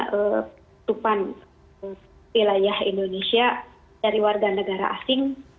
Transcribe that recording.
ketupan wilayah indonesia dari warga negara asing